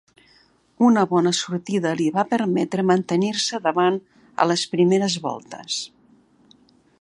Una bona sortida li va permetre mantenir-se davant a les primeres voltes.